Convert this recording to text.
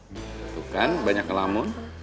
itu kan banyak kelamun